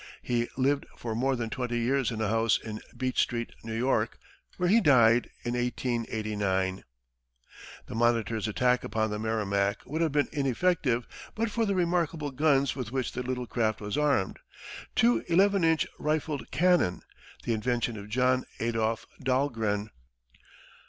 He lived for more than twenty years in a house in Beach street, New York, where he died, in 1889. The Monitor's attack upon the Merrimac would have been ineffective but for the remarkable guns with which the little craft was armed two eleven inch rifled cannon, the invention of John Adolph Dahlgren.